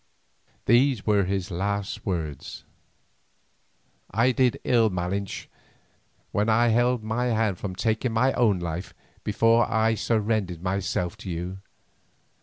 These were his last words: "I did ill, Malinche, when I held my hand from taking my own life before I surrendered myself to you.